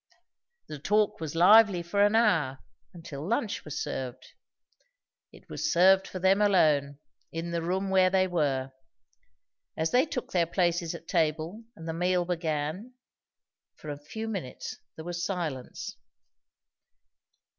The talk was lively for an hour, until lunch was served. It was served for them alone, in the room where they were. As they took their places at table and the meal began, for a few minutes there was silence.